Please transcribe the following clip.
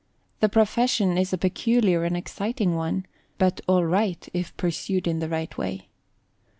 The profession is a peculiar and exciting one, but all right if pursued in the right way.